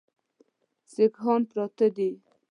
سیکهان پراته دي.